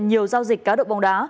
nhiều giao dịch cá độ bồng đá